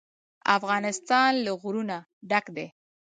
افغانستان له غرونه ډک دی.